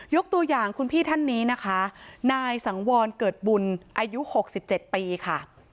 ตัวอย่างคุณพี่ท่านนี้นะคะนายสังวรเกิดบุญอายุ๖๗ปีค่ะ